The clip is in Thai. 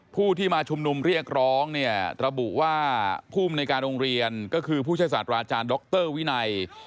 ผู้ที่มาชุมนุมเรียกร้องเนี่ยระบุว่าภูมิในการโรงเรียนก็คือผู้ช่วยศาสตราอาจารย์ดรวินัย